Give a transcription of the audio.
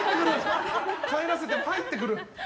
帰らせても、入ってくる。